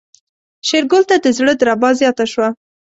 شېرګل ته د زړه دربا زياته شوه.